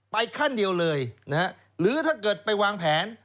ขั้นเดียวเลยนะฮะหรือถ้าเกิดไปวางแผน